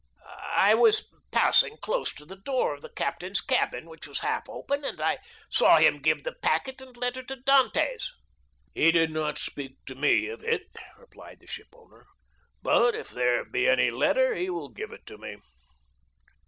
"I was passing close to the door of the captain's cabin, which was half open, and I saw him give the packet and letter to Dantès." "He did not speak to me of it," replied the shipowner; "but if there be any letter he will give it to me."